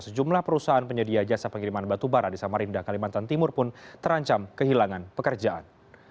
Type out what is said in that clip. sejumlah perusahaan penyedia jasa pengiriman batubara di samarinda kalimantan timur pun terancam kehilangan pekerjaan